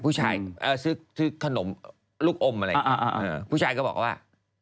ผู้ชายซื้อขนมลูกอมผู้ชายก็บอกว่า